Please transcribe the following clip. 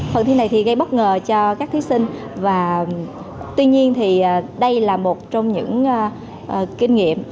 phần thi này thì gây bất ngờ cho các thí sinh và tuy nhiên thì đây là một trong những kinh nghiệm